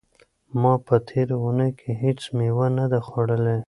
ما په تېره اونۍ کې هیڅ مېوه نه ده خوړلې.